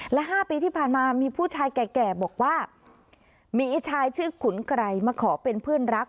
และ๕ปีที่ผ่านมามีผู้ชายแก่บอกว่ามีชายชื่อขุนไกรมาขอเป็นเพื่อนรัก